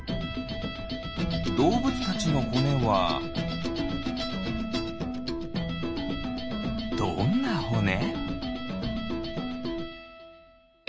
どうぶつたちのほねはどんなほね？